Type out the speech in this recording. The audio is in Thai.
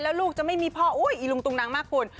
แล้วลูกจะไม่มีพ่ออุ๊ยอีลุงตุงนังมากคุณ